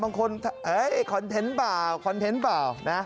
บางคนคอนเทนต์เปล่าคอนเทนต์เปล่านะ